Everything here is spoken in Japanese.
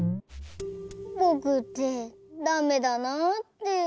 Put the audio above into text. ぼくってダメだなあって。